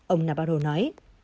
ông nabarro nói